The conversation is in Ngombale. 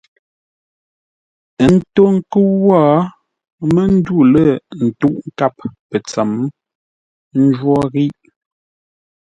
Ə́ ntó ńkə́u wó mə́ ndû lə̂ ntə́uʼ nkâp pə̂ ntsəm; ə́ njwó ghíʼ.